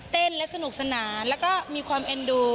เล่นและสนุกสนานแล้วก็มีความเอ็นดู